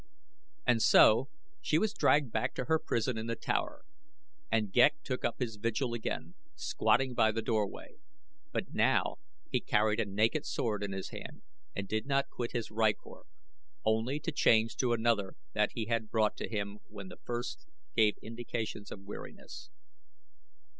And so she was dragged back to her prison in the tower and Ghek took up his vigil again, squatting by the doorway, but now he carried a naked sword in his hand and did not quit his rykor, only to change to another that he had brought to him when the first gave indications of weariness.